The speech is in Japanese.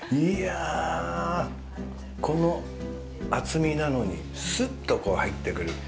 いやこの厚みなのにすっと入ってくる。